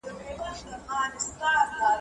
نو مانا یې زده کوې.